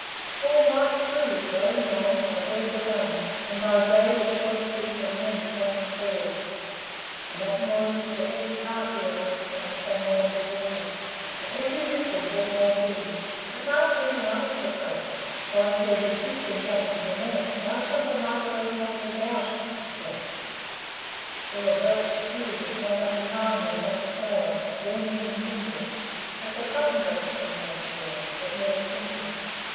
All night, too, going North, I heard the guns, and by day the shod feet of men crossing fords, and that noise which a heavy cart wheel makes on sand under water; and every ripple brought more dead. At last even I was afraid, for I said: 'If this thing happen to men, how shall the Mugger of Mugger Ghaut escape?' There were boats, too, that came up behind me without sails, burning continually, as the cotton boats sometimes burn, but never sinking."